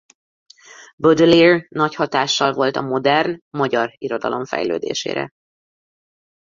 Baudelaire nagy hatással volt a modern magyar irodalom fejlődésére.